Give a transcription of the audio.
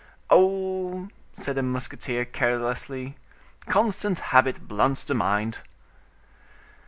"Oh!" said the musketeer carelessly, "constant habit blunts the mind."